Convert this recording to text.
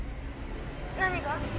何が？